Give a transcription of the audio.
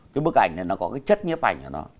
cái bức ảnh này nó có cái chất nhếp ảnh ở đó